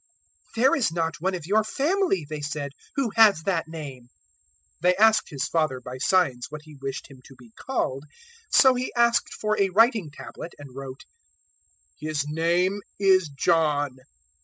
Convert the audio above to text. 001:061 "There is not one of your family," they said, "who has that name." 001:062 They asked his father by signs what he wished him to be called. 001:063 So he asked for a writing tablet, and wrote, "His name is John."